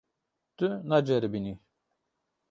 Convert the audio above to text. Tu naceribînî.